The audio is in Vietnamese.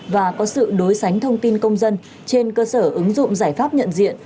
và có sự đối sánh thông tin công dân trên cơ sở ứng dụng giải pháp nhận diện